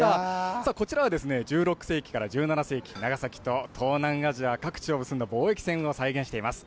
さあ、こちらは１６世紀から１７世紀、長崎と東南アジア各地を結んだ貿易船を再現しています。